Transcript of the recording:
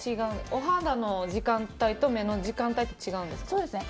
お肌の時間帯と目の時間帯って違うんですか？